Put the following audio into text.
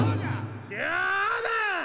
勝負！